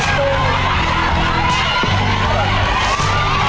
และสู้กับตัวข้อโพธิแฟนเหนียวแบบนี้